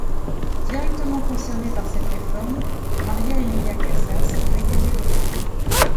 Directement concernée par cette réforme, María Emilia Casas est récusée de droit.